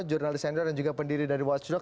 jurnalis senior dan juga pendiri dari watchdog